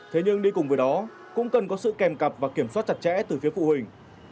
thế nhưng đi cùng với đó cũng cần có sự kèm cặp và kiểm soát chặt chẽ từ phía phụ huynh